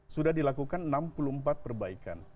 sudah dilakukan enam puluh empat perbaikan